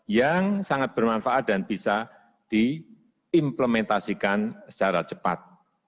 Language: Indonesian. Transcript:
yang sangat bermanfaat dan bisa diimplementasikan secara cepat